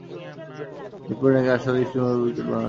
মিরপুরে নাকি আসলেই স্পিনবান্ধব উইকেট বানানো হয়েছে।